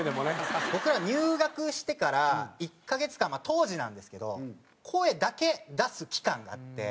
僕ら入学してから１カ月間まあ当時なんですけど声だけ出す期間があって。